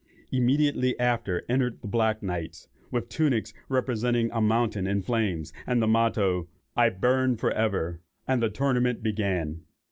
Immediately after entered the black knights, with tunics representing a mountain in flames, and the motto, "I burn for ever;" and the tournament began.